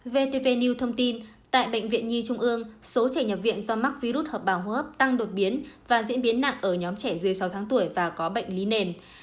vtv new thông tin tại bệnh viện nhi trung ương số trẻ nhập viện do mắc virus hợp bào hô hấp tăng đột biến và diễn biến nặng ở nhóm trẻ dưới sáu tháng tuổi và có bệnh lý nền